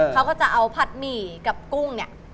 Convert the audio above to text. เขาก็จะเอาผัดหมี่กับกุ้งเนี่ย